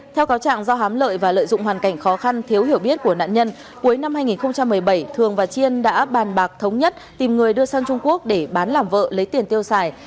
theo cáo trạng do hám lợi và lợi dụng hoàn cảnh khó khăn thiếu hiểu biết của nạn nhân cuối năm hai nghìn một mươi bảy thường và chiên đã bàn bạc thống nhất tìm người đưa sang trung quốc để bán làm vợ lấy tiền tiêu xài